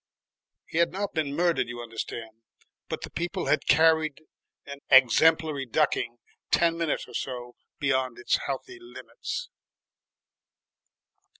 (He had not been murdered, you understand, but the people had carried an exemplary ducking ten minutes or so beyond its healthy limits.)